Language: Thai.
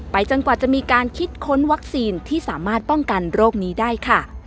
จนกว่าจะมีการคิดค้นวัคซีนที่สามารถป้องกันโรคนี้ได้ค่ะ